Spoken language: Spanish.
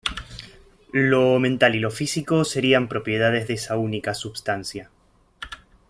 Lo mental y lo físico serían propiedades de esa única substancia.